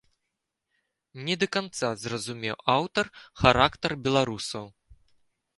Не да канца зразумеў аўтар характар беларусаў.